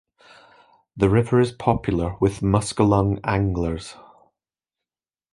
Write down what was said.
The river is popular with muskellunge anglers.